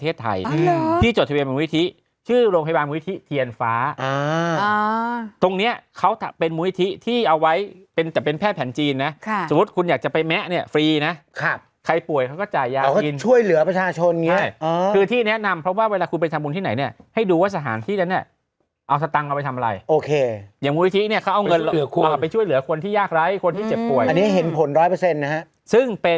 ตรงนี้เขาเป็นมูลิธิที่เอาไว้จะเป็นแพทย์แผ่นจีนนะสมมุติคุณอยากจะไปแมะเนี่ยฟรีนะใครป่วยเขาก็จ่ายยากินช่วยเหลือประชาชนคือที่แนะนำเพราะว่าเวลาคุณไปทางบุญที่ไหนเนี่ยให้ดูว่าสถานที่แล้วเนี่ยเอาสตังค์เอาไปทำอะไรโอเคอย่างมูลิธิเนี่ยเขาเอาเงินมาไปช่วยเหลือคนที่ยากไร้คนที่เจ็บป่วยอันนี้เห็